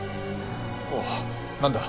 おう何だ？